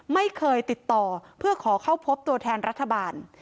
ไม่เคยติดต่อเพื่อขอเข้าพบตัวแทนรัฐบาล